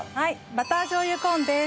バターしょう油コーンです。